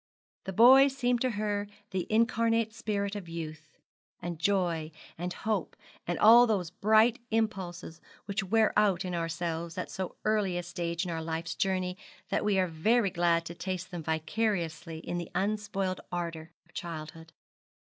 The boy seemed to her the incarnate spirit of youth, and joy, and hope, and all those bright impulses which wear out in ourselves at so early a stage of life's journey that we are very glad to taste them vicariously in the unspoiled ardour of childhood.